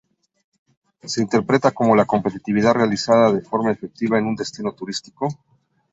Se interpreta como la competitividad realizada de forma efectiva en un destino turístico.